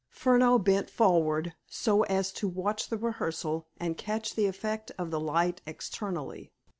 Furneaux bent forward so as to watch the rehearsal and catch the effect of the light externally.